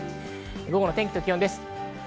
午後の天気と気温です。